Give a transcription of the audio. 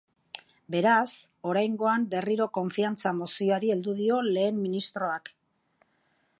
Beraz, oraingoan berriro konfiantza mozioari heldu dio lehen ministroak.